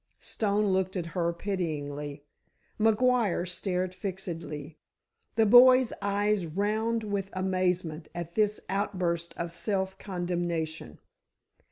Stone looked at her pityingly. McGuire stared fixedly; the boy's eyes round with amazement at this outburst of self condemnation.